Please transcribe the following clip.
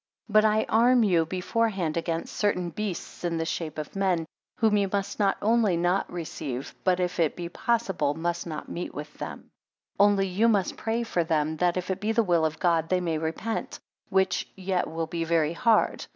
2 But I arm you before hand against certain beasts in the shape of men, whom you must not only not receive, but if it be possible must not meet with. 3 Only you must pray for them, that if it be the will of God they may repent; which yet will be very hard.